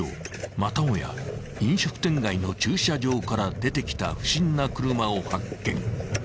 またもや飲食店街の駐車場から出てきた不審な車を発見］